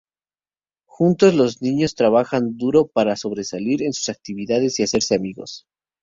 Juntos, los niños trabajan duro para sobresalir en sus actividades y hacerse amigos.